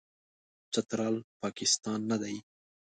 چترال، پاکستان نه دی.